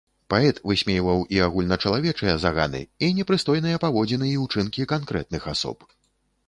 Паэт высмейваў і агульначалавечыя заганы, і непрыстойныя паводзіны і ўчынкі канкрэтных асоб.